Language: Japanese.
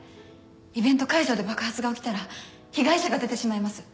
イベント会場で爆発が起きたら被害者が出てしまいます。